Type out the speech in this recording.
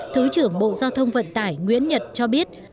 thứ trưởng bộ giao thông vận tải nguyễn nhật cho biết